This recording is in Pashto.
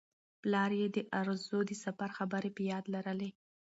پلار یې د ارزو د سفر خبرې په یاد لرلې.